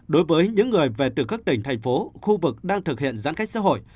đối với những người về từ các tỉnh thành phố khu vực đang thực hiện giãn cách xã hội